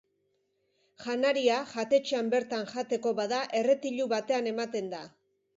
Janaria jatetxean bertan jateko bada, erretilu batean ematen da.